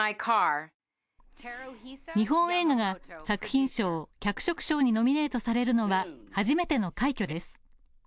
日本映画が作品賞、脚色賞にノミネートされるのは初めての快挙です。